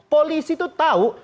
polisi tuh tahu